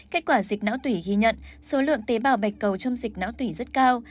kết quả dịch não tủy ghi nhận số lượng tế bào bạch cầu trong dịch não tủy rất cao